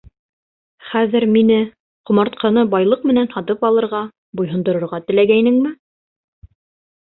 Хәҙер мине, ҡомартҡыны байлыҡ менән һатып алырға, буйһондорорға теләгәйнеңме?